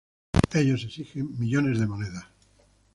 Ellos exigen millones de monedas.